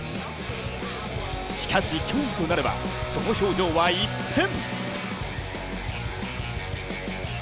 しかし競技となればその表情は一変。